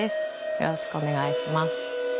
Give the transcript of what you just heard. よろしくお願いします。